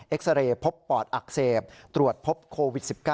ซาเรย์พบปอดอักเสบตรวจพบโควิด๑๙